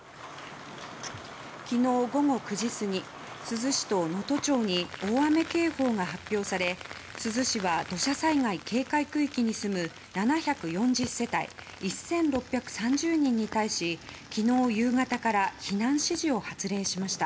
昨日午後９時過ぎ珠洲市と能登町に大雨警報が発表され、珠洲市は土砂災害警戒区域に住む７４０世帯１６３０人に対し昨日夕方から避難指示を発令しました。